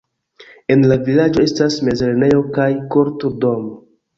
En la vilaĝo estas mezlernejo kaj kultur-domo.